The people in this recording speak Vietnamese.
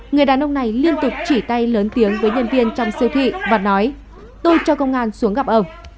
người đàn ông này liên tục chỉ tay lớn tiếng với nhân viên trong siêu thị và nói tôi cho công an xuống gặp ông